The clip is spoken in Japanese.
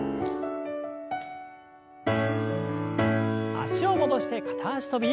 脚を戻して片脚跳び。